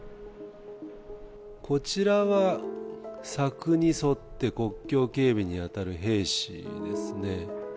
こちらは、柵に沿って国境警備に当たる兵士ですね。